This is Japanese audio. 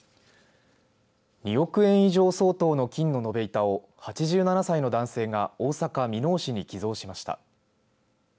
２億円以上相当の金の延べ板を８７歳の男性が大阪箕面市に寄贈しました。